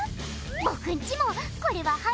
僕んちもこれは入る！